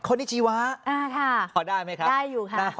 ที่ชีวะพอได้ไหมครับได้อยู่ค่ะ